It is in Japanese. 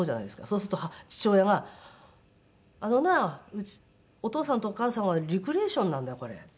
そうすると父親が「あのなお父さんとお母さんはレクリエーションなんだよこれ」